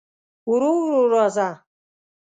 ورو ورو راځه